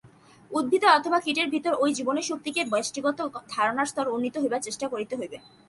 উদ্ভিদে অথবা কীটের ভিতর ঐ জীবনীশক্তিকে ব্যষ্টিগত ধারণার স্তরে উন্নীত হইবার চেষ্টা করিতে হইবে।